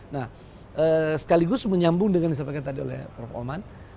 nah sekaligus menyambung dengan disampaikan tadi oleh prof oman